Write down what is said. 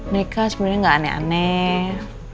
mereka sebenarnya gak aneh aneh